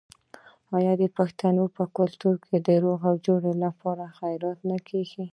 آیا د پښتنو په کلتور کې د روغې جوړې لپاره خیرات نه کیږي؟